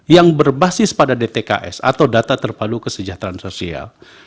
yang berbasis pada dtks atau data terpadu kesejahteraan sosial